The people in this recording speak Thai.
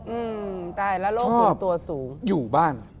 อืมตายแล้วโรคส่วนตัวสูงอยู่บ้าน